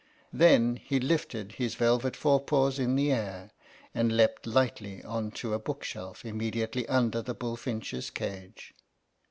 Then he lifted his velvet forepaws in the air and leapt lightly on to a bookshelf immediately under the bullfinch's cage.